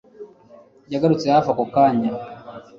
yagarutse hafi ako kanya